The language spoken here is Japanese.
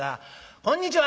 「こんにちは！